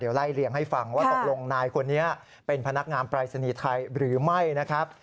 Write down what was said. ไล่เลี่ยงให้ฟังว่าตกลงนายคนนี้เป็นพนักงานปรายศนีย์ไทยหรือไม่นะครับ